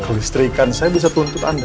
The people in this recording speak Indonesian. kelistrikan saya bisa tuntut anda